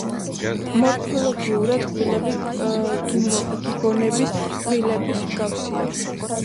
მორფოლოგიურად კბილები გიბონების კბილების მსგავსია.